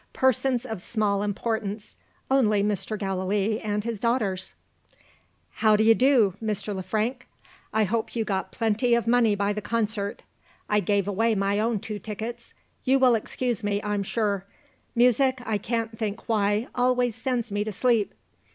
Persons of small importance only Mr. Gallilee and his daughters. "How d'ye do, Mr. Le Frank. I hope you got plenty of money by the concert. I gave away my own two tickets. You will excuse me, I'm sure. Music, I can't think why, always sends me to sleep.